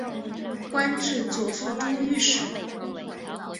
官至左副都御史。